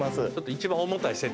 一番重たい設定で。